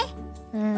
うん。